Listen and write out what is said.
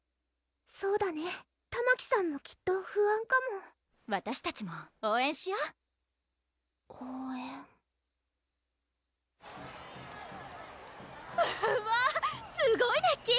そうだねたまきさんもきっと不安かもわたしたちも応援しよ応援・・うわすごい熱気！